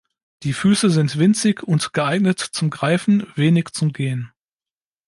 Die Füße sind winzig und geeignet zum Greifen, wenig zum Gehen.